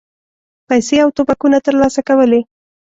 پیسې او توپکونه ترلاسه کولې.